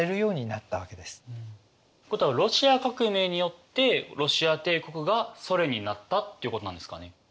っていうことはロシア革命によってロシア帝国がソ連になったっていうことなんですかね？